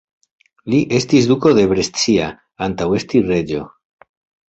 Li estis duko de Brescia antaŭ esti reĝo.